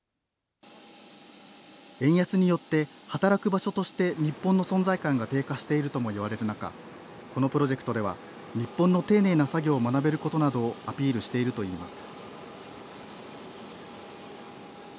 円安によって、働く場所として日本の存在感が低下しているとも言われる中このプロジェクトでは日本の丁寧な作業を学べることなどをアピールしているといいます。